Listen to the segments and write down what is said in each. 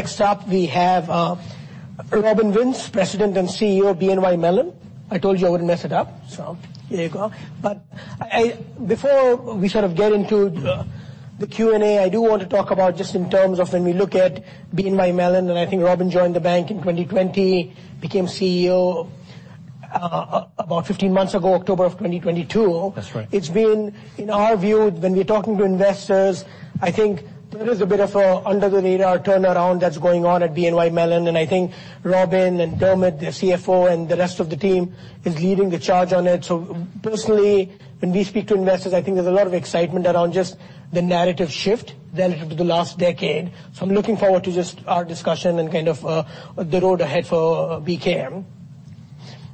Next up we have Robin Vince, President and CEO of BNY Mellon. I told you I wouldn't mess it up, so here you go. But before we sort of get into the Q&A, I do want to talk about just in terms of when we look at BNY Mellon, and I think Robin joined the bank in 2020, became CEO about 15 months ago, October of 2022. That's right. It's been, in our view, when we're talking to investors, I think there is a bit of a under-the-radar turnaround that's going on at BNY Mellon, and I think Robin and Dermot, the CFO, and the rest of the team is leading the charge on it. So personally, when we speak to investors, I think there's a lot of excitement around just the narrative shift relative to the last decade, so I'm looking forward to just our discussion and kind of the road ahead for BK.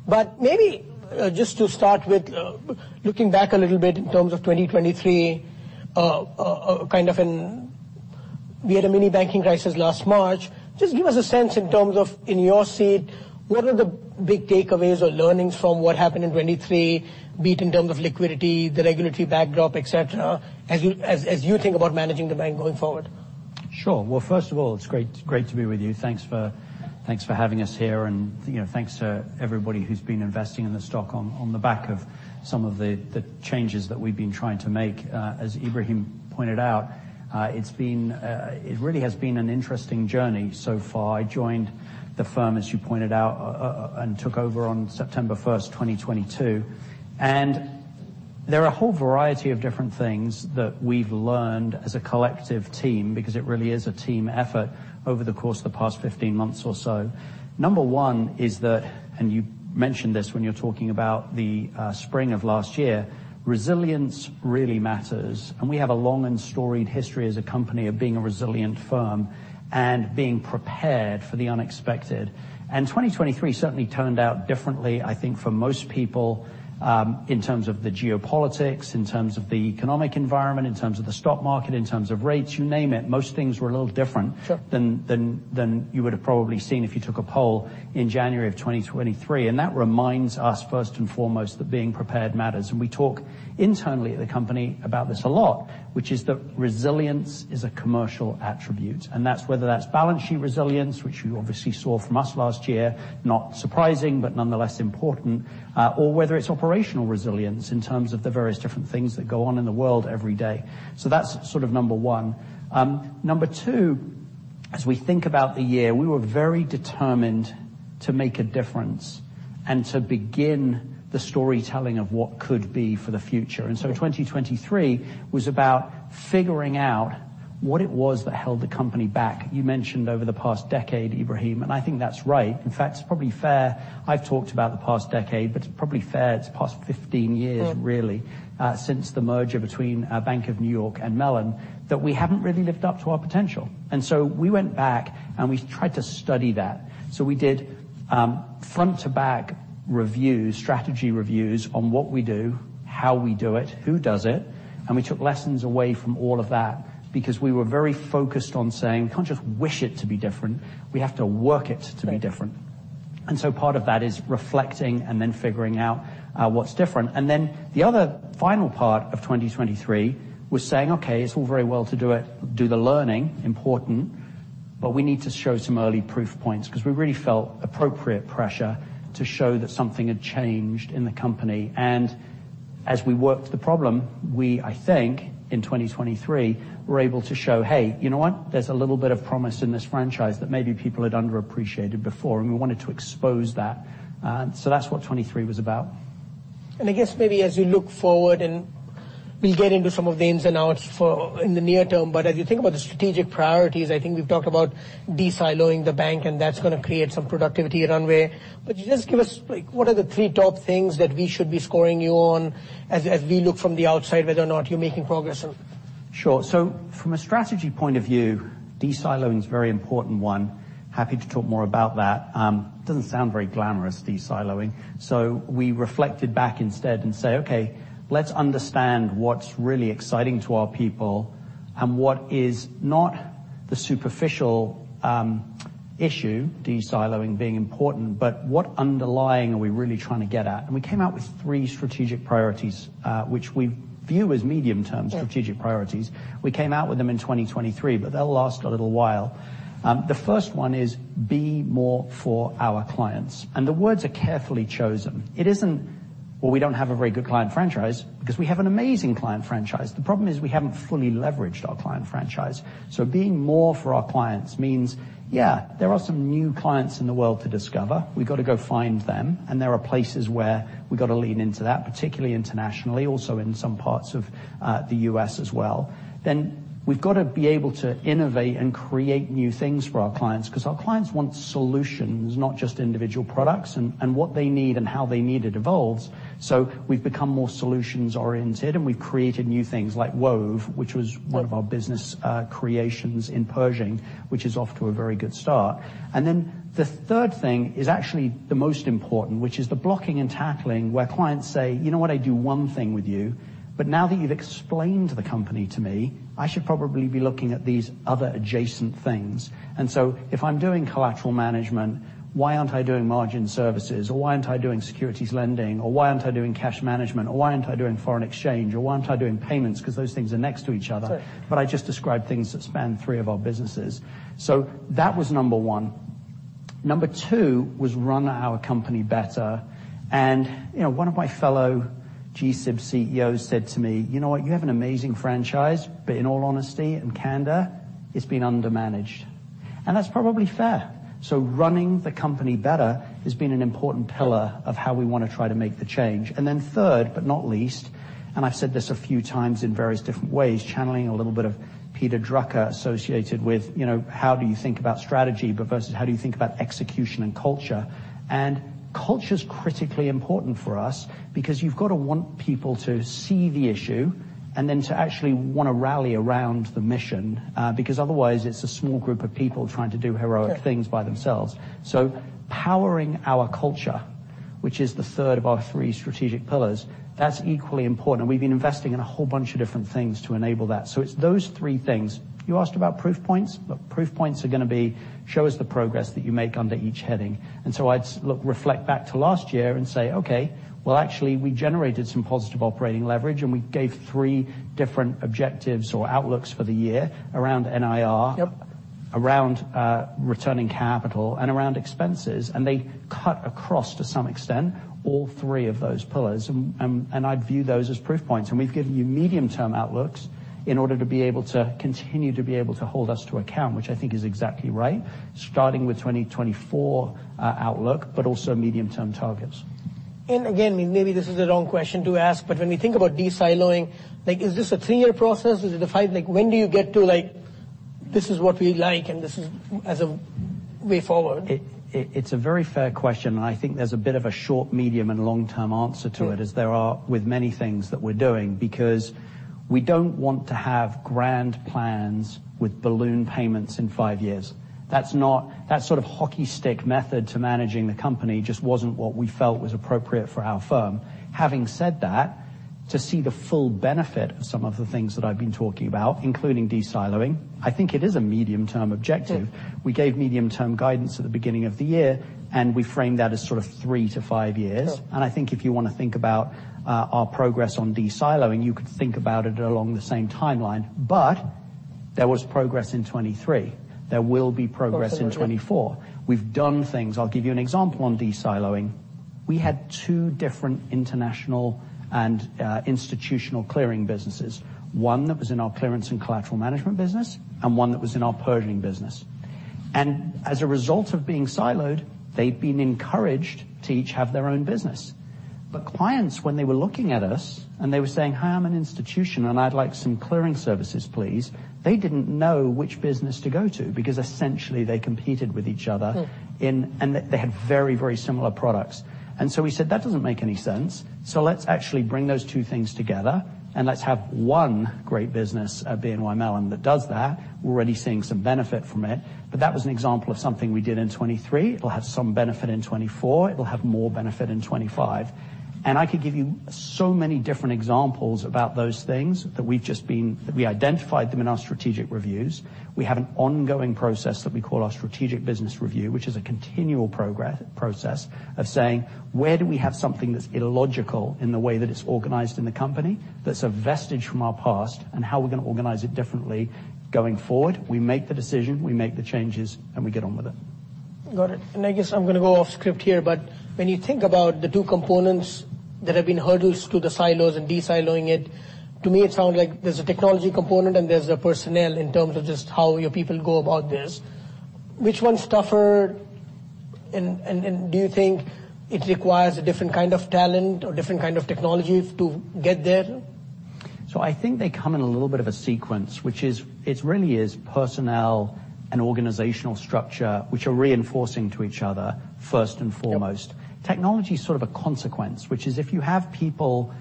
But maybe just to start with, looking back a little bit in terms of 2023, kind of in we had a mini banking crisis last March. Just give us a sense in terms of, in your seat, what are the big takeaways or learnings from what happened in 2023, be it in terms of liquidity, the regulatory backdrop, etc., as you think about managing the bank going forward? Sure. Well, first of all, it's great, great to be with you. Thanks for having us here, and, you know, thanks to everybody who's been investing in the stock on the back of some of the changes that we've been trying to make. As Ebrahim pointed out, it's been, it really has been an interesting journey so far. I joined the firm, as you pointed out, and took over on September 1st, 2022. And there are a whole variety of different things that we've learned as a collective team because it really is a team effort over the course of the past 15 months or so. Number one is that, and you mentioned this when you were talking about the spring of last year. Resilience really matters, and we have a long and storied history as a company of being a resilient firm and being prepared for the unexpected. 2023 certainly turned out differently, I think, for most people, in terms of the geopolitics, in terms of the economic environment, in terms of the stock market, in terms of rates, you name it. Most things were a little different. Sure. Then you would have probably seen if you took a poll in January of 2023, and that reminds us first and foremost that being prepared matters. We talk internally at the company about this a lot, which is that resilience is a commercial attribute, and that's whether that's balance sheet resilience, which you obviously saw from us last year, not surprising but nonetheless important, or whether it's operational resilience in terms of the various different things that go on in the world every day. So that's sort of number one. Number two, as we think about the year, we were very determined to make a difference and to begin the storytelling of what could be for the future. So 2023 was about figuring out what it was that held the company back. You mentioned over the past decade, Ebrahim, and I think that's right. In fact, it's probably fair I've talked about the past decade, but it's probably fair it's past 15 years, really, since the merger between Bank of New York and Mellon that we haven't really lived up to our potential. And so we went back and we tried to study that. So we did front-to-back reviews, strategy reviews on what we do, how we do it, who does it, and we took lessons away from all of that because we were very focused on saying, "We can't just wish it to be different. We have to work it to be different." And so part of that is reflecting and then figuring out what's different. And then the other final part of 2023 was saying, "Okay, it's all very well to do it. Do the learning. Important. But we need to show some early proof points," because we really felt appropriate pressure to show that something had changed in the company. As we worked the problem, we, I think, in 2023, were able to show, "Hey, you know what? There's a little bit of promise in this franchise that maybe people had underappreciated before," and we wanted to expose that. So that's what 2023 was about. I guess maybe as you look forward, and we'll get into some of the ins and outs in the near term, but as you think about the strategic priorities, I think we've talked about desiloing the bank, and that's going to create some productivity runway. But just give us, like, what are the three top things that we should be scoring you on as we look from the outside whether or not you're making progress? Sure. So from a strategy point of view, desiloing's a very important one. Happy to talk more about that. Doesn't sound very glamorous, desiloing. So we reflected back instead and said, "Okay, let's understand what's really exciting to our people and what is not the superficial, issue, desiloing being important, but what underlying are we really trying to get at?" And we came out with three strategic priorities, which we view as medium-term strategic priorities. We came out with them in 2023, but they'll last a little while. The first one is, "Be more for our clients." And the words are carefully chosen. It isn't, "Well, we don't have a very good client franchise," because we have an amazing client franchise. The problem is we haven't fully leveraged our client franchise. So being more for our clients means, "Yeah, there are some new clients in the world to discover. We've got to go find them, and there are places where we've got to lean into that, particularly internationally, also in some parts of the U.S. as well." Then we've got to be able to innovate and create new things for our clients because our clients want solutions, not just individual products, and, and what they need and how they need it evolves. So we've become more solutions-oriented, and we've created new things like Wove, which was one of our business creations in Pershing, which is off to a very good start. And then the third thing is actually the most important, which is the blocking and tackling where clients say, "You know what? I do one thing with you, but now that you've explained the company to me, I should probably be looking at these other adjacent things." And so if I'm doing collateral management, why aren't I doing margin services, or why aren't I doing securities lending, or why aren't I doing cash management, or why aren't I doing foreign exchange, or why aren't I doing payments because those things are next to each other, but I just described things that span three of our businesses? So that was number one. Number two was run our company better. And, you know, one of my fellow G-SIB CEOs said to me, "You know what? You have an amazing franchise, but in all honesty and candor, it's been undermanaged." And that's probably fair. So running the company better has been an important pillar of how we want to try to make the change. And then, third but not least, and I've said this a few times in various different ways, channeling a little bit of Peter Drucker associated with, you know, how do you think about strategy versus how do you think about execution and culture. And culture's critically important for us because you've got to want people to see the issue and then to actually want to rally around the mission, because otherwise it's a small group of people trying to do heroic things by themselves. So, powering our culture, which is the third of our three strategic pillars, that's equally important, and we've been investing in a whole bunch of different things to enable that. So it's those three things. You asked about proof points, but proof points are going to be, "Show us the progress that you make under each heading." And so I'd look, reflect back to last year and say, "Okay, well, actually we generated some positive operating leverage, and we gave three different objectives or outlooks for the year around NII. Yep. Around returning capital and around expenses, and they cut across to some extent all three of those pillars. And I'd view those as proof points. And we've given you medium-term outlooks in order to be able to continue to be able to hold us to account, which I think is exactly right, starting with 2024 outlook but also medium-term targets. Again, maybe this is the wrong question to ask, but when we think about desiloing, like, is this a 3-year process? Is it a 5 like, when do you get to, like, "This is what we like, and this is as a way forward"? It's a very fair question, and I think there's a bit of a short, medium, and long-term answer to it as there are, with many things that we're doing, because we don't want to have grand plans with balloon payments in five years. That's not that sort of hockey stick method to managing the company just wasn't what we felt was appropriate for our firm. Having said that, to see the full benefit of some of the things that I've been talking about, including desiloing, I think it is a medium-term objective. We gave medium-term guidance at the beginning of the year, and we framed that as sort of three to five years. I think if you want to think about our progress on desiloing, you could think about it along the same timeline, but there was progress in 2023. There will be progress in 2024. We've done things. I'll give you an example on desiloing. We had two different international and institutional clearing businesses, one that was in our Clearance and Collateral Management business and one that was in our Pershing business. As a result of being siloed, they'd been encouraged to each have their own business. Clients, when they were looking at us and they were saying, "Hi, I'm an institution, and I'd like some clearing services, please," they didn't know which business to go to because essentially they competed with each other, and they had very, very similar products. So we said, "That doesn't make any sense, so let's actually bring those two things together and let's have one great business, BNY Mellon that does that. We're already seeing some benefit from it." That was an example of something we did in 2023. It'll have some benefit in 2024. It'll have more benefit in 2025. I could give you so many different examples about those things that we've just been, that we identified them in our strategic reviews. We have an ongoing process that we call our strategic business review, which is a continual progress process of saying, "Where do we have something that's illogical in the way that it's organized in the company that's a vestige from our past and how we're going to organize it differently going forward?" We make the decision, we make the changes, and we get on with it. Got it. I guess I'm going to go off-script here, but when you think about the two components that have been hurdles to the silos and desiloing it, to me it sounds like there's a technology component and there's a personnel in terms of just how your people go about this. Which one's tougher, and, and, and do you think it requires a different kind of talent or different kind of technology to get there? I think they come in a little bit of a sequence, which is it really is personnel and organizational structure which are reinforcing to each other first and foremost. Technology's sort of a consequence, which is if you have people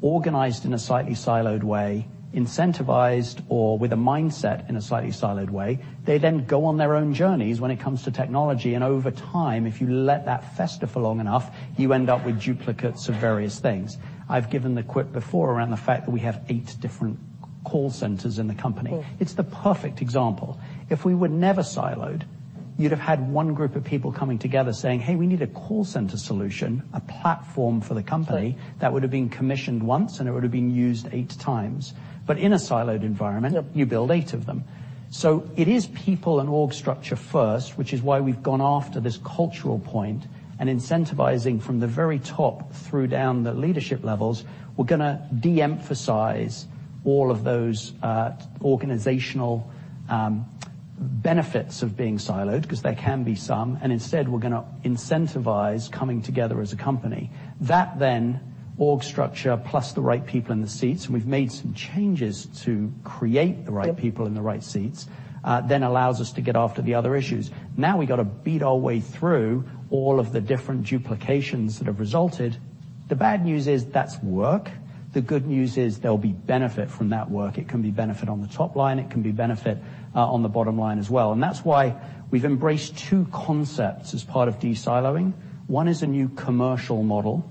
organized in a slightly siloed way, incentivized, or with a mindset in a slightly siloed way, they then go on their own journeys when it comes to technology. Over time, if you let that fester for long enough, you end up with duplicates of various things. I've given the quip before around the fact that we have eight different call centers in the company. It's the perfect example. If we were never siloed, you'd have had one group of people coming together saying, "Hey, we need a call center solution, a platform for the company that would have been commissioned once, and it would have been used eight times." But in a siloed environment, you build eight of them. So it is people and org structure first, which is why we've gone after this cultural point and incentivizing from the very top through down the leadership levels. We're going to de-emphasize all of those, organizational, benefits of being siloed because there can be some, and instead we're going to incentivize coming together as a company. That then org structure plus the right people in the seats - and we've made some changes to create the right people in the right seats - then allows us to get after the other issues. Now we've got to beat our way through all of the different duplications that have resulted. The bad news is that's work. The good news is there'll be benefit from that work. It can be benefit on the top line. It can be benefit on the bottom line as well. And that's why we've embraced two concepts as part of desiloing. One is a new commercial model,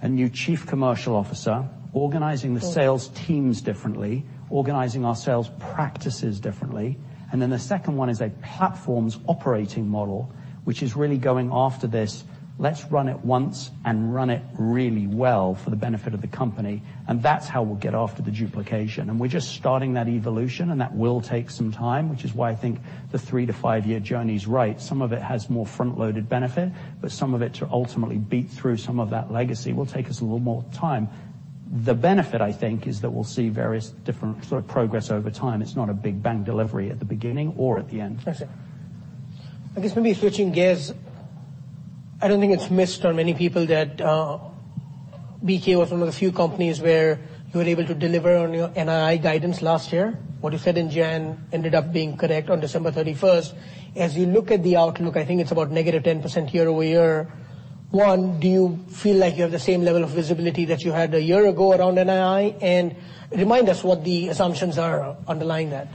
a new Chief Commercial Officer organizing the sales teams differently, organizing our sales practices differently. And then the second one is a platform's operating model, which is really going after this, "Let's run it once and run it really well for the benefit of the company," and that's how we'll get after the duplication. And we're just starting that evolution, and that will take some time, which is why I think the 3-5-year journey's right. Some of it has more front-loaded benefit, but some of it to ultimately beat through some of that legacy will take us a little more time. The benefit, I think, is that we'll see various different sort of progress over time. It's not a big bang delivery at the beginning or at the end. I see. I guess maybe switching gears, I don't think it's missed on many people that, BK was one of the few companies where you were able to deliver on your NII guidance last year. What you said in January ended up being correct on December 31st. As you look at the outlook, I think it's about -10% year-over-year. One, do you feel like you have the same level of visibility that you had a year ago around NII? And remind us what the assumptions are underlying that.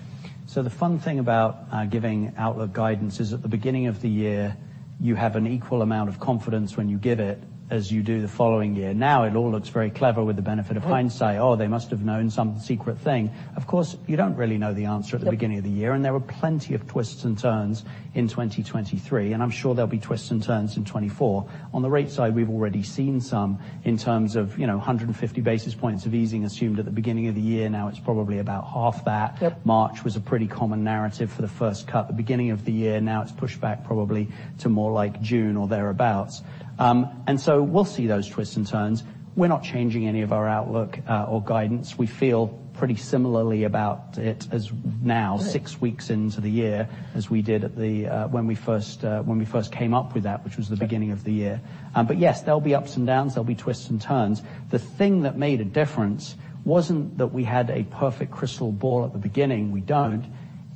So the fun thing about giving outlook guidance is at the beginning of the year you have an equal amount of confidence when you give it as you do the following year. Now it all looks very clever with the benefit of hindsight, "Oh, they must have known some secret thing." Of course, you don't really know the answer at the beginning of the year, and there were plenty of twists and turns in 2023, and I'm sure there'll be twists and turns in 2024. On the rate side, we've already seen some in terms of, you know, 150 basis points of easing assumed at the beginning of the year. Now it's probably about half that. March was a pretty common narrative for the first cut at the beginning of the year. Now it's pushed back probably to more like June or thereabouts. And so we'll see those twists and turns. We're not changing any of our outlook, or guidance. We feel pretty similarly about it as now, six weeks into the year, as we did at the, when we first came up with that, which was the beginning of the year. But yes, there'll be ups and downs. There'll be twists and turns. The thing that made a difference wasn't that we had a perfect crystal ball at the beginning. We don't.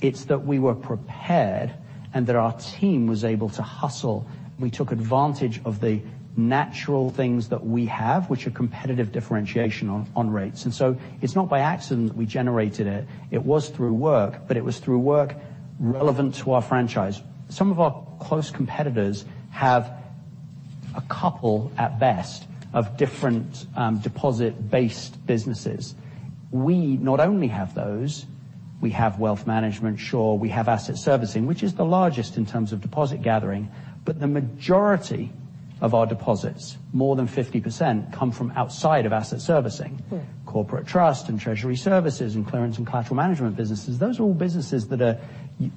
It's that we were prepared and that our team was able to hustle. We took advantage of the natural things that we have, which are competitive differentiation on, on rates. And so it's not by accident that we generated it. It was through work, but it was through work relevant to our franchise. Some of our close competitors have a couple at best of different, deposit-based businesses. We not only have those. We have Wealth Management, sure. We have Asset Servicing, which is the largest in terms of deposit gathering, but the majority of our deposits, more than 50%, come from outside of Asset Servicing, Corporate Trust and Treasury Services and Clearance and Collateral Management businesses. Those are all businesses that are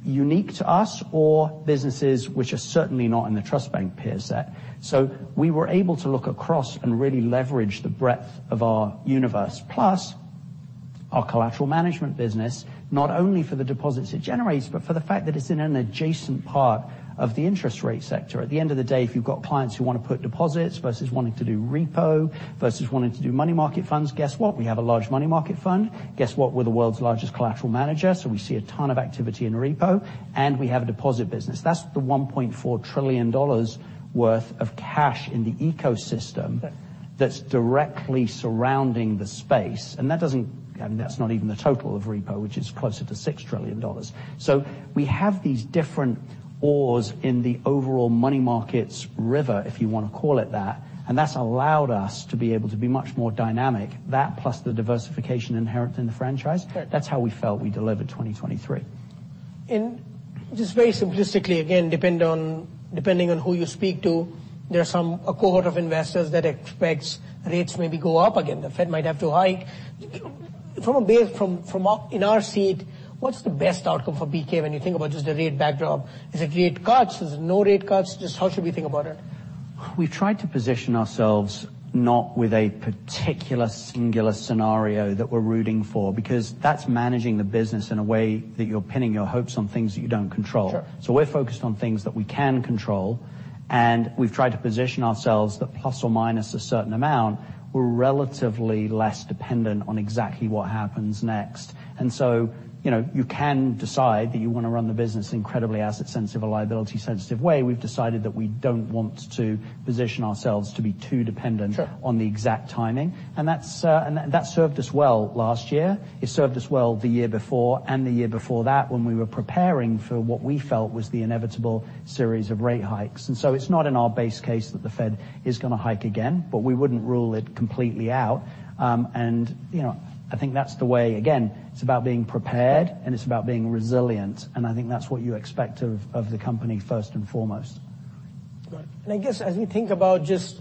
unique to us or businesses which are certainly not in the Trust Bank peer set. So we were able to look across and really leverage the breadth of our universe plus our collateral management business, not only for the deposits it generates but for the fact that it's in an adjacent part of the interest rate sector. At the end of the day, if you've got clients who want to put deposits versus wanting to do repo versus wanting to do money market funds, guess what? We have a large money market fund. Guess what? We're the world's largest collateral manager, so we see a ton of activity in repo, and we have a deposit business. That's the $1.4 trillion worth of cash in the ecosystem that's directly surrounding the space, and that doesn't I mean, that's not even the total of repo, which is closer to $6 trillion. So we have these different arms in the overall money markets river, if you want to call it that, and that's allowed us to be able to be much more dynamic, that plus the diversification inherent in the franchise. That's how we felt we delivered 2023. And just very simplistically, again, depending on who you speak to, there's a cohort of investors that expects rates maybe go up. Again, the Fed might have to hike. From our seat, what's the best outcome for BK when you think about just the rate backdrop? Is it rate cuts? Is it no rate cuts? Just how should we think about it? We've tried to position ourselves not with a particular singular scenario that we're rooting for because that's managing the business in a way that you're pinning your hopes on things that you don't control. So we're focused on things that we can control, and we've tried to position ourselves that plus or minus a certain amount, we're relatively less dependent on exactly what happens next. And so, you know, you can decide that you want to run the business in an incredibly asset-sensitive, a liability-sensitive way. We've decided that we don't want to position ourselves to be too dependent on the exact timing, and that served us well last year. It served us well the year before and the year before that when we were preparing for what we felt was the inevitable series of rate hikes. And so it's not in our base case that the Fed is going to hike again, but we wouldn't rule it completely out. And, you know, I think that's the way again, it's about being prepared, and it's about being resilient, and I think that's what you expect of the company first and foremost. Right. I guess as we think about just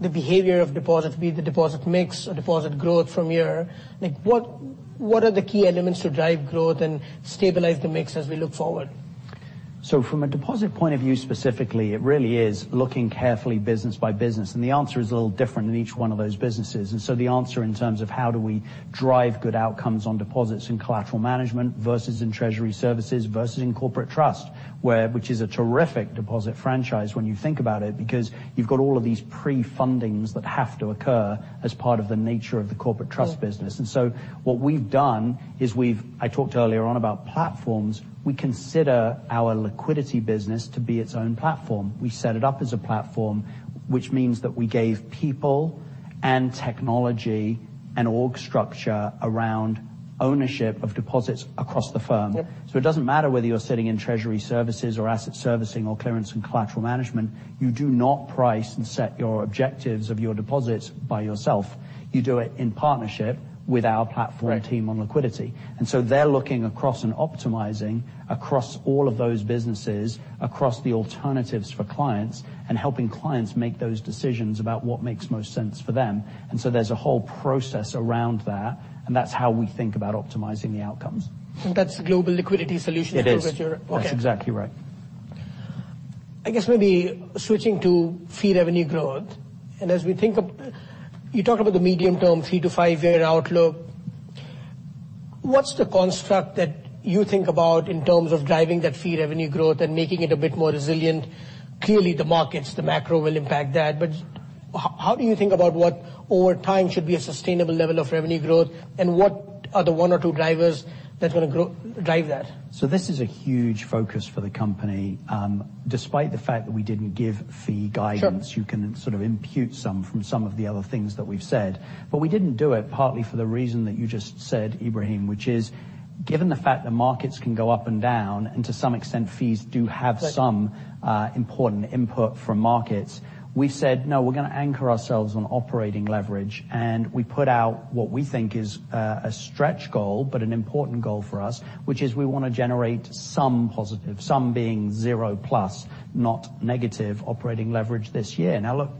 the behavior of deposit, be it the deposit mix or deposit growth from here, like, what are the key elements to drive growth and stabilize the mix as we look forward? So from a deposit point of view specifically, it really is looking carefully business by business, and the answer is a little different in each one of those businesses. And so the answer in terms of how do we drive good outcomes on deposits and collateral management versus in Treasury Services versus in Corporate Trust, which is a terrific deposit franchise when you think about it because you've got all of these pre-fundings that have to occur as part of the nature of the Corporate Trust business. And so what we've done is, I talked earlier on about platforms. We consider our liquidity business to be its own platform. We set it up as a platform, which means that we gave people and technology and org structure around ownership of deposits across the firm. So it doesn't matter whether you're sitting in Treasury Services or Asset Servicing or Clearance and Collateral Management. You do not price and set your objectives of your deposits by yourself. You do it in partnership with our platform team on liquidity. And so they're looking across and optimizing across all of those businesses, across the alternatives for clients, and helping clients make those decisions about what makes most sense for them. And so there's a whole process around that, and that's how we think about optimizing the outcomes. That's global liquidity solution approach, right? Yes. That's exactly right. I guess maybe switching to fee revenue growth, and as we think of you talk about the medium-term, 3-5 year outlook. What's the construct that you think about in terms of driving that fee revenue growth and making it a bit more resilient? Clearly, the markets, the macro will impact that, but how do you think about what over time should be a sustainable level of revenue growth, and what are the one or two drivers that's going to grow drive that? So this is a huge focus for the company, despite the fact that we didn't give fee guidance. You can sort of impute some from some of the other things that we've said, but we didn't do it partly for the reason that you just said, Ebrahim, which is given the fact that markets can go up and down and to some extent fees do have some important input from markets. We've said, "No, we're going to anchor ourselves on operating leverage," and we put out what we think is a stretch goal but an important goal for us, which is we want to generate some positive, some being zero plus, not negative operating leverage this year. Now look,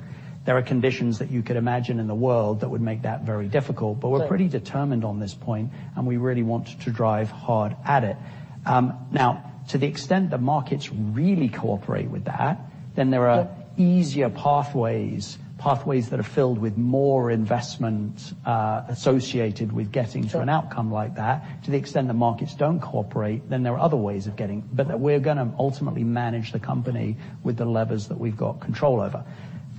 there are conditions that you could imagine in the world that would make that very difficult, but we're pretty determined on this point, and we really want to drive hard at it. Now to the extent the markets really cooperate with that, then there are easier pathways, pathways that are filled with more investment, associated with getting to an outcome like that. To the extent the markets don't cooperate, then there are other ways of getting but that we're going to ultimately manage the company with the levers that we've got control over.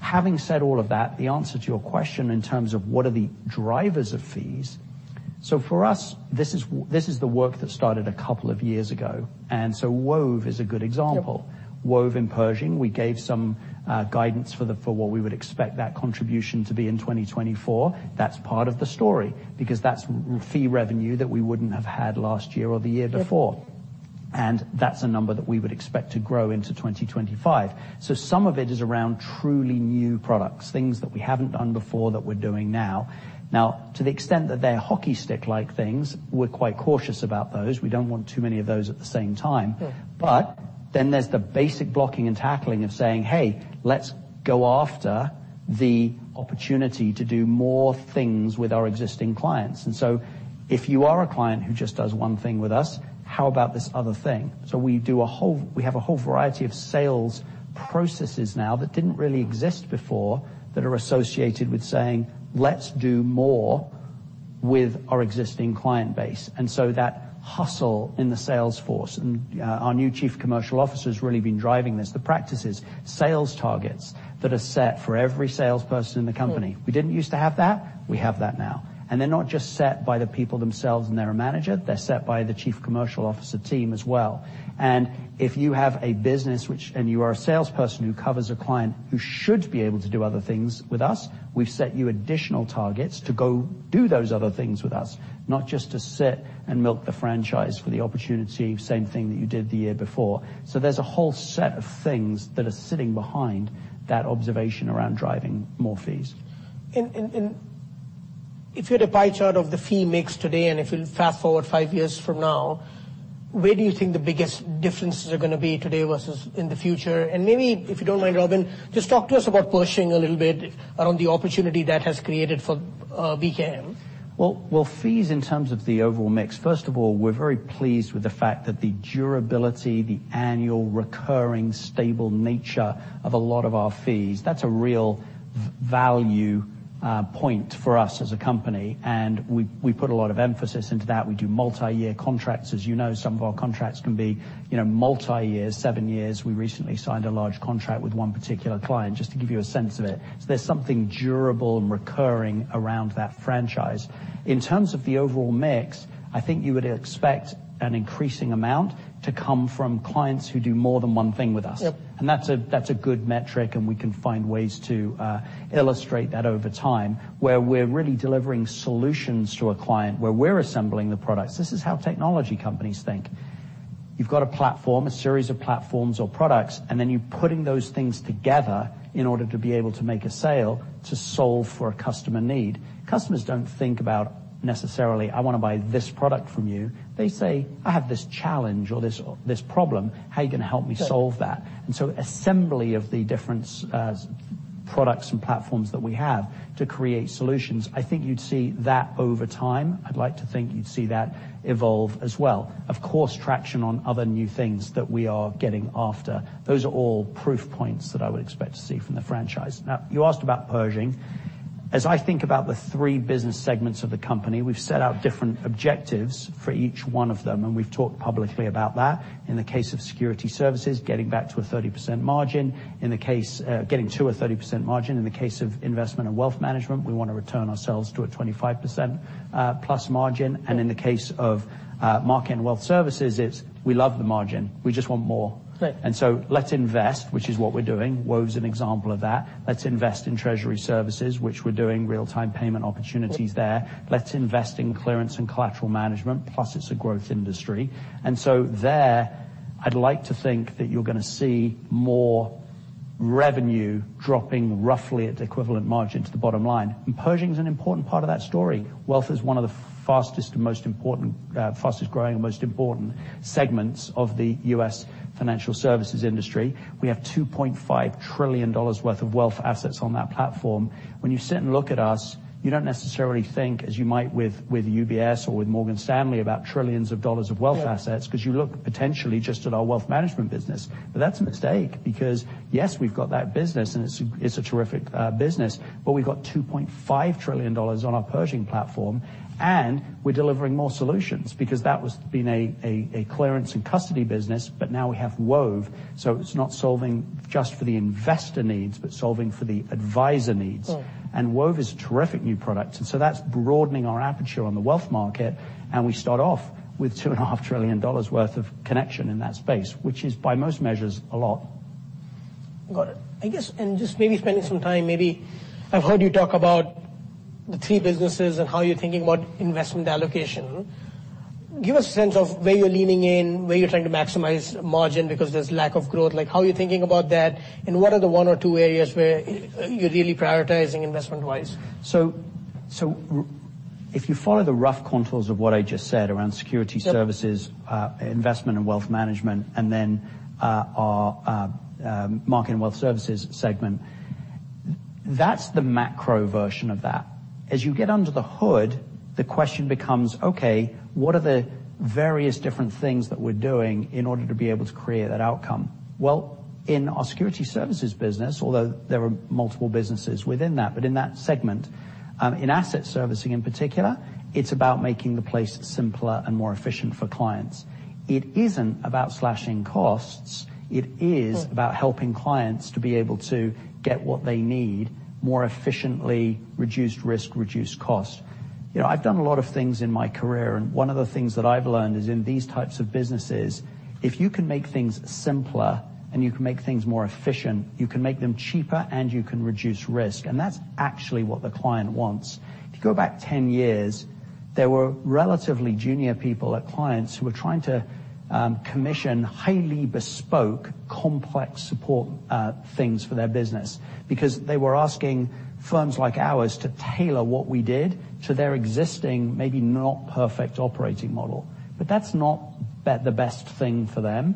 Having said all of that, the answer to your question in terms of what are the drivers of fees so for us, this is the work that started a couple of years ago, and so Wove is a good example. Wove in Pershing, we gave some guidance for what we would expect that contribution to be in 2024. That's part of the story because that's fee revenue that we wouldn't have had last year or the year before, and that's a number that we would expect to grow into 2025. So some of it is around truly new products, things that we haven't done before that we're doing now. Now to the extent that they're hockey stick-like things, we're quite cautious about those. We don't want too many of those at the same time, but then there's the basic blocking and tackling of saying, "Hey, let's go after the opportunity to do more things with our existing clients." And so if you are a client who just does one thing with us, how about this other thing? So we have a whole variety of sales processes now that didn't really exist before that are associated with saying, "Let's do more with our existing client base." And so that hustle in the sales force, and our new Chief Commercial Officer's really been driving this, the practices, sales targets that are set for every salesperson in the company. We didn't used to have that. We have that now. And they're not just set by the people themselves and their manager. They're set by the Chief Commercial Officer team as well. And if you have a business which and you are a salesperson who covers a client who should be able to do other things with us, we've set you additional targets to go do those other things with us, not just to sit and milk the franchise for the opportunity, same thing that you did the year before. So there's a whole set of things that are sitting behind that observation around driving more fees. If you had a pie chart of the fee mix today and if you fast-forward five years from now, where do you think the biggest differences are going to be today versus in the future? And maybe if you don't mind, Robin, just talk to us about Pershing a little bit around the opportunity that has created for BNY. Well, well, fees in terms of the overall mix, first of all, we're very pleased with the fact that the durability, the annual recurring stable nature of a lot of our fees, that's a real value, point for us as a company, and we, we put a lot of emphasis into that. We do multi-year contracts. As you know, some of our contracts can be, you know, multi-years, seven years. We recently signed a large contract with one particular client, just to give you a sense of it. So there's something durable and recurring around that franchise. In terms of the overall mix, I think you would expect an increasing amount to come from clients who do more than one thing with us, and that's a that's a good metric, and we can find ways to illustrate that over time where we're really delivering solutions to a client where we're assembling the products. This is how technology companies think. You've got a platform, a series of platforms or products, and then you're putting those things together in order to be able to make a sale to solve for a customer need. Customers don't think about necessarily, "I want to buy this product from you." They say, "I have this challenge or this, this problem. How are you going to help me solve that?" And so assembly of the different, products and platforms that we have to create solutions, I think you'd see that over time. I'd like to think you'd see that evolve as well. Of course, traction on other new things that we are getting after. Those are all proof points that I would expect to see from the franchise. Now, you asked about Pershing. As I think about the three business segments of the company, we've set out different objectives for each one of them, and we've talked publicly about that. In the case of Securities Services, getting back to a 30% margin. In the case, getting to a 30% margin. In the case of Investment and Wealth Management, we want to return ourselves to a 25% plus margin. And in the case of Market and Wealth Services, it's, "We love the margin. We just want more." And so let's invest, which is what we're doing. Wove's an example of that. Let's invest in Treasury Services, which we're doing real-time payment opportunities there. Let's invest in Clearance and Collateral Management, plus it's a growth industry. And so there, I'd like to think that you're going to see more revenue dropping roughly at equivalent margin to the bottom line. And Pershing's an important part of that story. Wealth is one of the fastest and most important, fastest growing and most important segments of the U.S. financial services industry. We have $2.5 trillion worth of wealth assets on that platform. When you sit and look at us, you don't necessarily think as you might with, with UBS or with Morgan Stanley about trillions of dollars of wealth assets because you look potentially just at our wealth management business. But that's a mistake because, yes, we've got that business, and it's a terrific business, but we've got $2.5 trillion on our Pershing platform, and we're delivering more solutions because that was being a clearance and custody business, but now we have Wove, so it's not solving just for the investor needs but solving for the advisor needs. And Wove is a terrific new product, and so that's broadening our aperture on the wealth market, and we start off with $2.5 trillion worth of connection in that space, which is by most measures a lot. Got it. I guess and just maybe spending some time, maybe I've heard you talk about the three businesses and how you're thinking about investment allocation. Give us a sense of where you're leaning in, where you're trying to maximize margin because there's lack of growth. Like, how are you thinking about that, and what are the one or two areas where you're really prioritizing investment-wise? So, if you follow the rough contours of what I just said around Securities Services, Investment and Wealth Management, and then, our, Market and Wealth Services segment, that's the macro version of that. As you get under the hood, the question becomes, "Okay, what are the various different things that we're doing in order to be able to create that outcome?" Well, in our Securities Services business, although there are multiple businesses within that, but in that segment, in Asset Servicing in particular, it's about making the place simpler and more efficient for clients. It isn't about slashing costs. It is about helping clients to be able to get what they need more efficiently, reduced risk, reduced cost. You know, I've done a lot of things in my career, and one of the things that I've learned is in these types of businesses, if you can make things simpler and you can make things more efficient, you can make them cheaper, and you can reduce risk, and that's actually what the client wants. If you go back 10 years, there were relatively junior people at clients who were trying to commission highly bespoke complex support things for their business because they were asking firms like ours to tailor what we did to their existing, maybe not perfect, operating model. But that's not the best thing for them.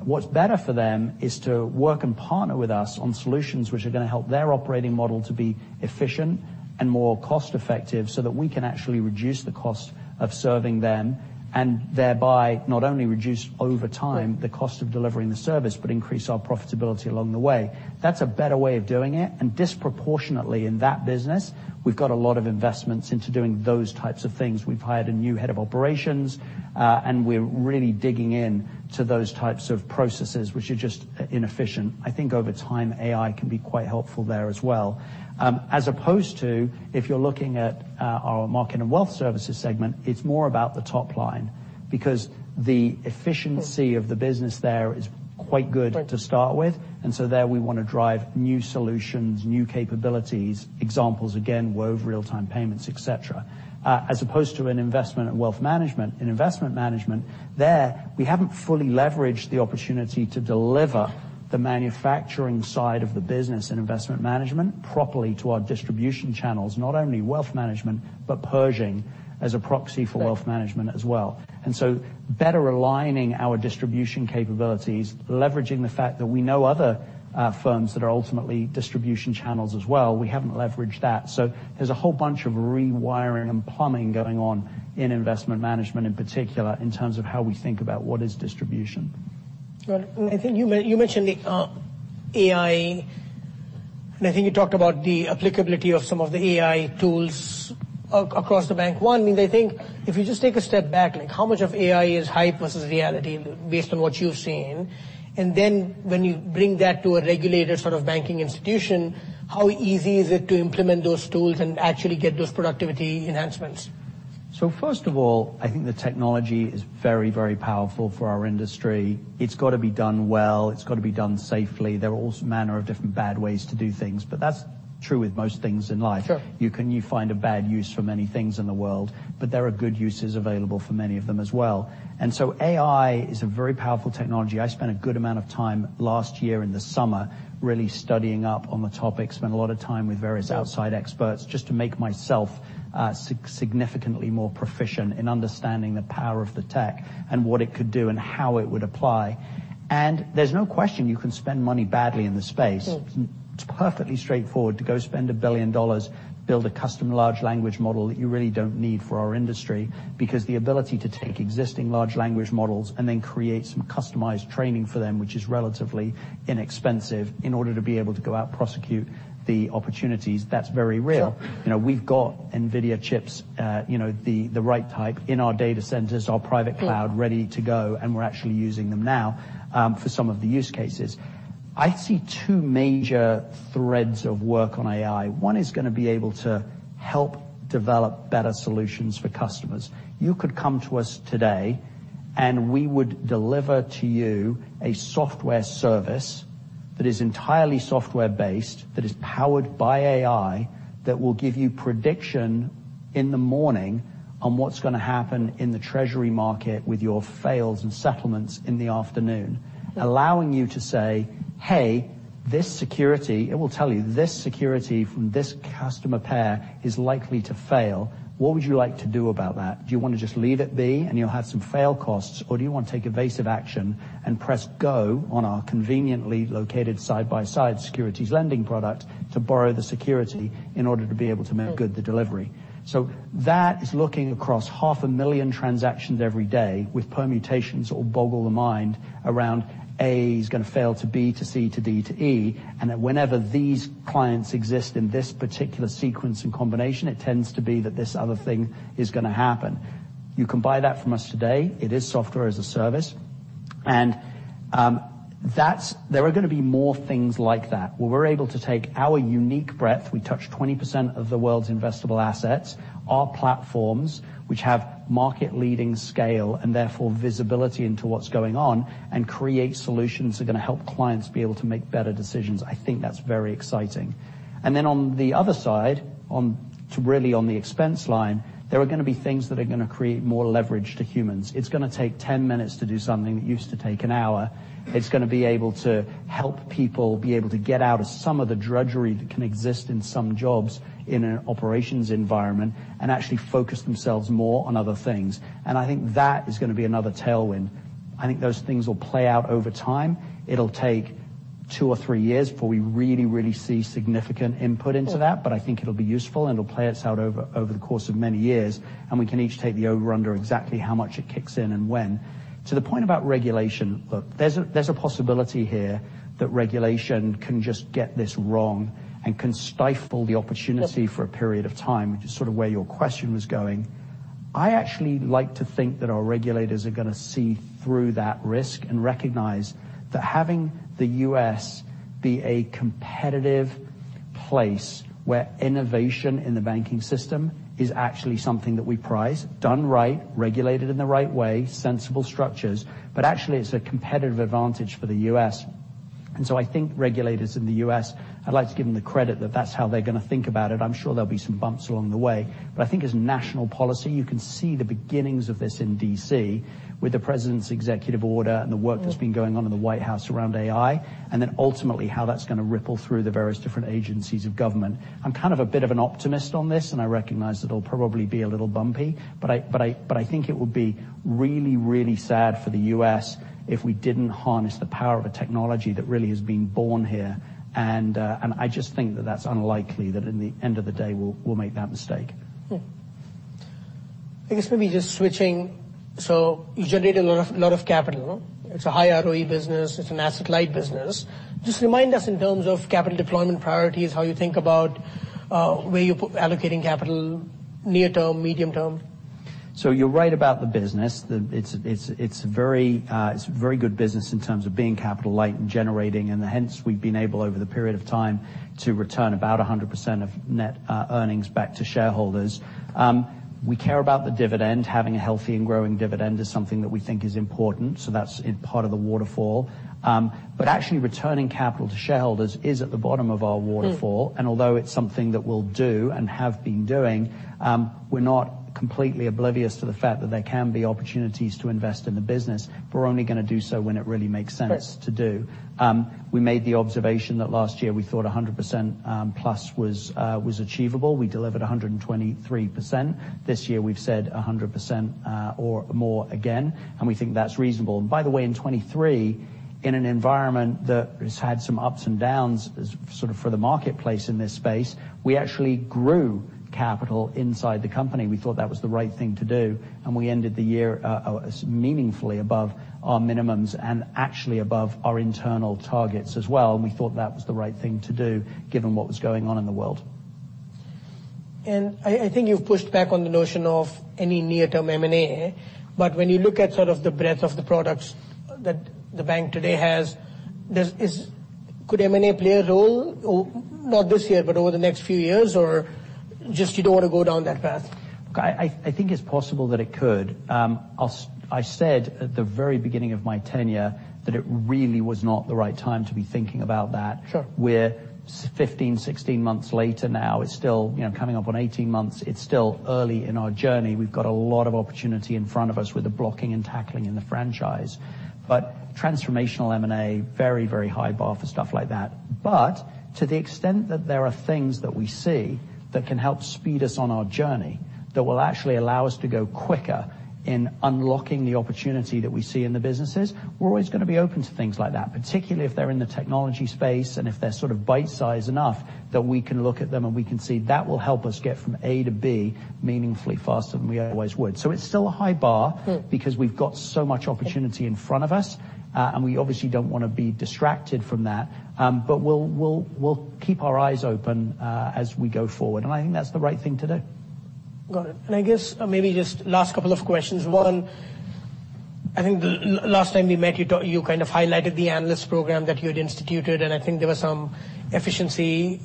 What's better for them is to work and partner with us on solutions which are going to help their operating model to be efficient and more cost-effective so that we can actually reduce the cost of serving them and thereby not only reduce over time the cost of delivering the service but increase our profitability along the way. That's a better way of doing it, and disproportionately in that business, we've got a lot of investments into doing those types of things. We've hired a new head of operations, and we're really digging into those types of processes which are just inefficient. I think over time, AI can be quite helpful there as well, as opposed to if you're looking at our Market and Wealth Services segment, it's more about the top line because the efficiency of the business there is quite good to start with, and so there we want to drive new solutions, new capabilities, examples, again, Wove, real-time payments, etc., as opposed to an Investment and Wealth Management. In Investment Management, there we haven't fully leveraged the opportunity to deliver the manufacturing side of the business in investment management properly to our distribution channels, not only wealth management but Pershing as a proxy for Wealth Management as well. And so better aligning our distribution capabilities, leveraging the fact that we know other firms that are ultimately distribution channels as well, we haven't leveraged that. There's a whole bunch of rewiring and plumbing going on in investment management in particular in terms of how we think about what is distribution. Got it. I think you mentioned the AI, and I think you talked about the applicability of some of the AI tools across the bank. I mean, I think if you just take a step back, like, how much of AI is hype versus reality based on what you've seen, and then when you bring that to a regulated sort of banking institution, how easy is it to implement those tools and actually get those productivity enhancements? First of all, I think the technology is very, very powerful for our industry. It's got to be done well. It's got to be done safely. There are also a manner of different bad ways to do things, but that's true with most things in life. You can find a bad use for many things in the world, but there are good uses available for many of them as well. AI is a very powerful technology. I spent a good amount of time last year in the summer really studying up on the topic, spent a lot of time with various outside experts just to make myself significantly more proficient in understanding the power of the tech and what it could do and how it would apply. There's no question you can spend money badly in the space. It's perfectly straightforward to go spend $1 billion, build a custom large language model that you really don't need for our industry because the ability to take existing large language models and then create some customized training for them, which is relatively inexpensive in order to be able to go out prosecute the opportunities, that's very real. You know, we've got NVIDIA chips, you know, the right type in our data centers, our private cloud ready to go, and we're actually using them now, for some of the use cases. I see two major threads of work on AI. One is going to be able to help develop better solutions for customers. You could come to us today, and we would deliver to you a software service that is entirely software-based, that is powered by AI, that will give you prediction in the morning on what's going to happen in the treasury market with your fails and settlements in the afternoon, allowing you to say, "Hey, this security it will tell you, 'This security from this customer pair is likely to fail.' What would you like to do about that? Do you want to just leave it be, and you'll have some fail costs, or do you want to take evasive action and press go on our conveniently located side-by-side securities lending product to borrow the security in order to be able to make good the delivery?" So that is looking across 500,000 transactions every day with permutations that will boggle the mind around A is going to fail to B, to C, to D, to E, and that whenever these clients exist in this particular sequence and combination, it tends to be that this other thing is going to happen. You can buy that from us today. It is software as a service. And that's. There are going to be more things like that where we're able to take our unique breadth. We touch 20% of the world's investable assets. Our platforms, which have market-leading scale and therefore visibility into what's going on and create solutions that are going to help clients be able to make better decisions, I think that's very exciting. And then on the other side, on to really on the expense line, there are going to be things that are going to create more leverage to humans. It's going to take 10 minutes to do something that used to take an hour. It's going to be able to help people be able to get out of some of the drudgery that can exist in some jobs in an operations environment and actually focus themselves more on other things. And I think that is going to be another tailwind. I think those things will play out over time. It'll take two or three years before we really, really see significant input into that, but I think it'll be useful, and it'll play itself out over, over the course of many years, and we can each take the over and under exactly how much it kicks in and when. To the point about regulation, look, there's a there's a possibility here that regulation can just get this wrong and can stifle the opportunity for a period of time, which is sort of where your question was going. I actually like to think that our regulators are going to see through that risk and recognize that having the U.S. be a competitive place where innovation in the banking system is actually something that we prize, done right, regulated in the right way, sensible structures, but actually it's a competitive advantage for the U.S. And so I think regulators in the U.S. I'd like to give them the credit that that's how they're going to think about it. I'm sure there'll be some bumps along the way, but I think as national policy, you can see the beginnings of this in D.C. with the president's executive order and the work that's been going on in the White House around AI and then ultimately how that's going to ripple through the various different agencies of government. I'm kind of a bit of an optimist on this, and I recognize that it'll probably be a little bumpy, but I think it would be really, really sad for the U.S. if we didn't harness the power of a technology that really has been born here, and I just think that that's unlikely that in the end of the day, we'll make that mistake. I guess, maybe just switching. So you generate a lot of a lot of capital. It's a high ROE business. It's an asset-light business. Just remind us in terms of capital deployment priorities, how you think about where you're allocating capital near-term, medium-term. So you're right about the business. It's a very good business in terms of being capital-light and generating, and hence we've been able over the period of time to return about 100% of net earnings back to shareholders. We care about the dividend. Having a healthy and growing dividend is something that we think is important, so that's in part of the waterfall. But actually returning capital to shareholders is at the bottom of our waterfall, and although it's something that we'll do and have been doing, we're not completely oblivious to the fact that there can be opportunities to invest in the business, but we're only going to do so when it really makes sense to do. We made the observation that last year we thought 100% plus was achievable. We delivered 123%. This year we've said 100%, or more again, and we think that's reasonable. By the way, in 2023, in an environment that has had some ups and downs as sort of for the marketplace in this space, we actually grew capital inside the company. We thought that was the right thing to do, and we ended the year, meaningfully above our minimums and actually above our internal targets as well, and we thought that was the right thing to do given what was going on in the world. I think you've pushed back on the notion of any near-term M&A, but when you look at sort of the breadth of the products that the bank today has, could M&A play a role or not this year but over the next few years, or just you don't want to go down that path? Look, I think it's possible that it could. I said at the very beginning of my tenure that it really was not the right time to be thinking about that. We're 15-16 months later now. It's still, you know, coming up on 18 months. It's still early in our journey. We've got a lot of opportunity in front of us with the blocking and tackling in the franchise, but transformational M&A, very, very high bar for stuff like that. But to the extent that there are things that we see that can help speed us on our journey, that will actually allow us to go quicker in unlocking the opportunity that we see in the businesses, we're always going to be open to things like that, particularly if they're in the technology space and if they're sort of bite-size enough that we can look at them and we can see that will help us get from A-B meaningfully faster than we otherwise would. So it's still a high bar because we've got so much opportunity in front of us, and we obviously don't want to be distracted from that, but we'll keep our eyes open, as we go forward, and I think that's the right thing to do. Got it. And I guess maybe just last couple of questions. One, I think the last time we met, you thought you kind of highlighted the analyst program that you had instituted, and I think there were some efficiency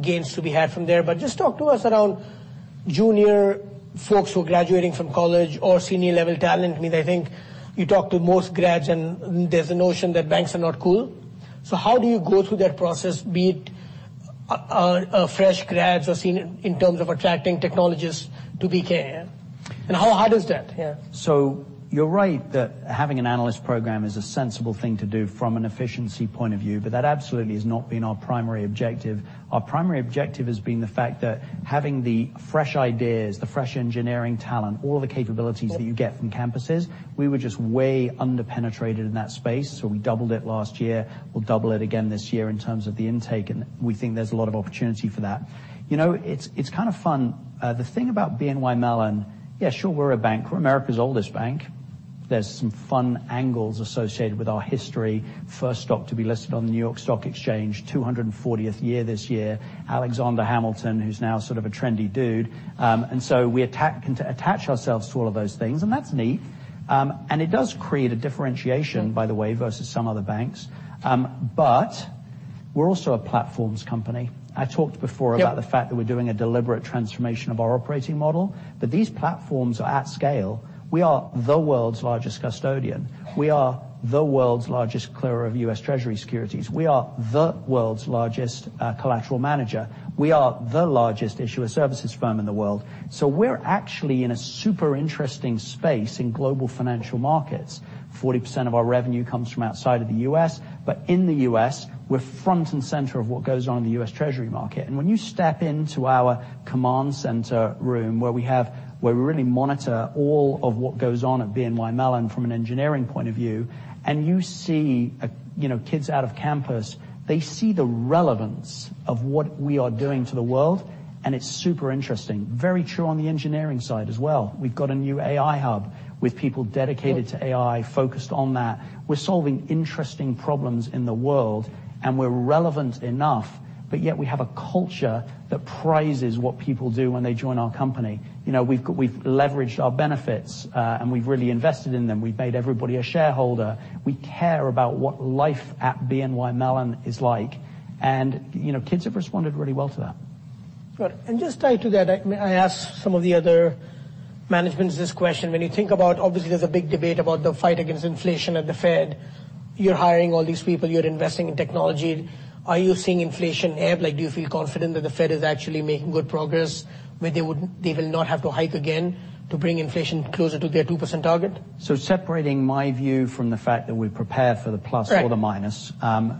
gains to be had from there, but just talk to us around junior folks who are graduating from college or senior-level talent. I mean, I think you talk to most grads, and there's a notion that banks are not cool. So how do you go through that process, be it fresh grads or senior in terms of attracting technologists to BNY? And how hard is that? Yeah. So you're right that having an analyst program is a sensible thing to do from an efficiency point of view, but that absolutely has not been our primary objective. Our primary objective has been the fact that having the fresh ideas, the fresh engineering talent, all the capabilities that you get from campuses, we were just way underpenetrated in that space, so we doubled it last year. We'll double it again this year in terms of the intake, and we think there's a lot of opportunity for that. You know, it's, it's kind of fun. The thing about BNY Mellon, yeah, sure, we're a bank. We're America's oldest bank. There's some fun angles associated with our history. First stock to be listed on the New York Stock Exchange, 240th year this year. Alexander Hamilton, who's now sort of a trendy dude. So we can attach ourselves to all of those things, and that's neat. It does create a differentiation, by the way, versus some other banks, but we're also a platforms company. I talked before about the fact that we're doing a deliberate transformation of our operating model, but these platforms are at scale. We are the world's largest custodian. We are the world's largest clearer of U.S. Treasury securities. We are the world's largest collateral manager. We are the largest issuer services firm in the world. So we're actually in a super interesting space in global financial markets. 40% of our revenue comes from outside of the U.S., but in the U.S., we're front and center of what goes on in the U.S. Treasury market. When you step into our command center room where we really monitor all of what goes on at BNY Mellon from an engineering point of view, and you see, you know, kids out of campus, they see the relevance of what we are doing to the world, and it's super interesting, very true on the engineering side as well. We've got a new AI hub with people dedicated to AI focused on that. We're solving interesting problems in the world, and we're relevant enough, but yet we have a culture that prizes what people do when they join our company. You know, we've leveraged our benefits, and we've really invested in them. We've made everybody a shareholder. We care about what life at BNY Mellon is like, and, you know, kids have responded really well to that. Got it. Just tied to that, may I ask some of the other managements this question. When you think about obviously, there's a big debate about the fight against inflation at the Fed. You're hiring all these people. You're investing in technology. Are you seeing inflationary? Like, do you feel confident that the Fed is actually making good progress where they will not have to hike again to bring inflation closer to their 2% target? So separating my view from the fact that we prepare for the plus or the minus, yeah,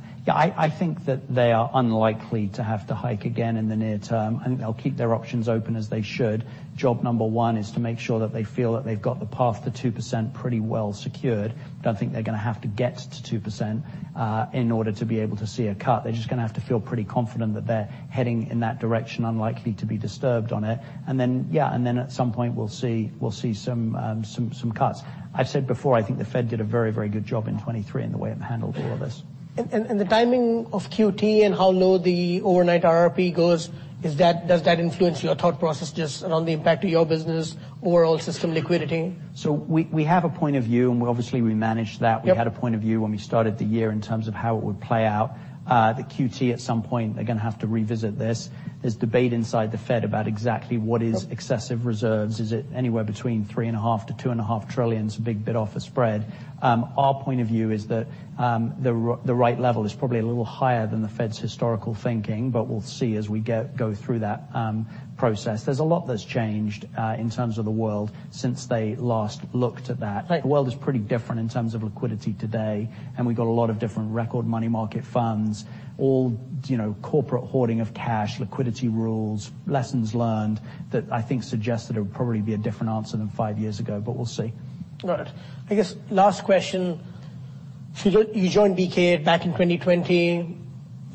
I think that they are unlikely to have to hike again in the near term. I think they'll keep their options open as they should. Job number one is to make sure that they feel that they've got the path to 2% pretty well secured. Don't think they're going to have to get to 2%, in order to be able to see a cut. They're just going to have to feel pretty confident that they're heading in that direction, unlikely to be disturbed on it. And then, yeah, and then at some point, we'll see some cuts. I've said before, I think the Fed did a very, very good job in 2023 in the way it handled all of this. The timing of QT and how low the overnight RRP goes, is that does that influence your thought process just around the impact to your business, overall system liquidity? So we have a point of view, and we obviously managed that. We had a point of view when we started the year in terms of how it would play out. The QT at some point, they're going to have to revisit this. There's debate inside the Fed about exactly what is excessive reserves. Is it anywhere between $3.5 trillion-$2.5 trillion, a big bid-offer spread? Our point of view is that the right level is probably a little higher than the Fed's historical thinking, but we'll see as we go through that process. There's a lot that's changed in terms of the world since they last looked at that. The world is pretty different in terms of liquidity today, and we've got a lot of different record money market funds, all, you know, corporate hoarding of cash, liquidity rules, lessons learned that I think suggest that it would probably be a different answer than five years ago, but we'll see. Got it. I guess last question. So you joined BNY back in 2020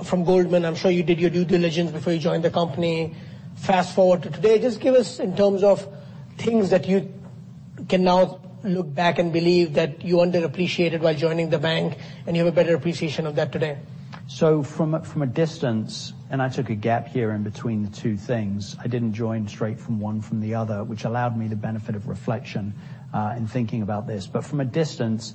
from Goldman. I'm sure you did your due diligence before you joined the company. Fast forward to today. Just give us in terms of things that you can now look back and believe that you underappreciated while joining the bank, and you have a better appreciation of that today. So from a distance, and I took a gap year in between the two things, I didn't join straight from one from the other, which allowed me the benefit of reflection in thinking about this. But from a distance,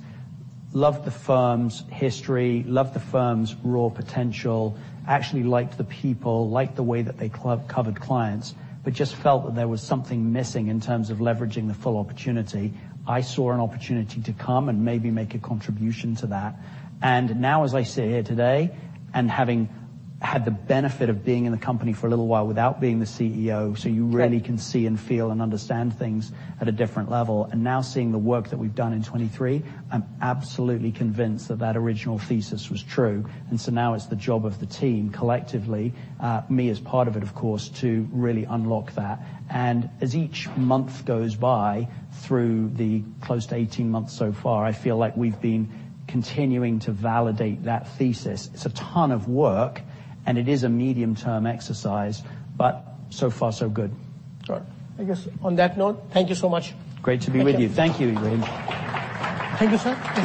loved the firm's history, loved the firm's raw potential, actually liked the people, liked the way that they covered clients, but just felt that there was something missing in terms of leveraging the full opportunity. I saw an opportunity to come and maybe make a contribution to that. And now, as I sit here today and having had the benefit of being in the company for a little while without being the CEO, so you really can see and feel and understand things at a different level, and now seeing the work that we've done in 2023, I'm absolutely convinced that that original thesis was true, and so now it's the job of the team collectively, me as part of it, of course, to really unlock that. And as each month goes by through the close to 18 months so far, I feel like we've been continuing to validate that thesis. It's a ton of work, and it is a medium-term exercise, but so far, so good. Got it. I guess on that note, thank you so much. Great to be with you. Thank you, Ebrahim. Thank you, sir.